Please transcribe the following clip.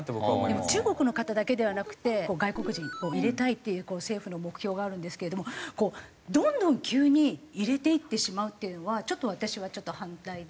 でも中国の方だけではなくて外国人を入れたいっていう政府の目標があるんですけれどもどんどん急に入れていってしまうっていうのはちょっと私は反対で。